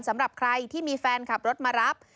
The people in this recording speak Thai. สำหรับใครที่มีแฟนขับรถมารับ